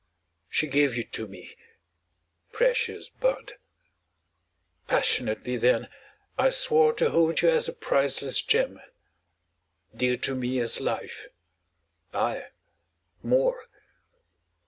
She gave you to me. Precious bud! Passionately then I swore To hold you as a priceless gem, Dear to me as life aye more!